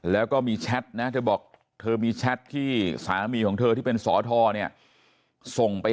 แล้วก็มีแชทนะเธอบอกเธอมีแชทที่สามีของเธอที่เป็นสอทรเนี่ยส่งไป